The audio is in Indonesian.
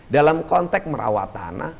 dalam konteks merawat tanah